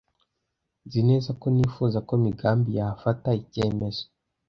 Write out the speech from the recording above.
Nzi neza ko nifuza ko Migambi yafata icyemezo.